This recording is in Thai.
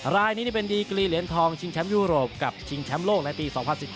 รายนี้เป็นดีกรีเหรียญทองชิงแชมป์ยุโรปกับชิงแชมป์โลกในปี๒๐๑๙